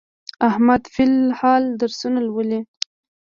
احمد فل الحال درسونه لولي.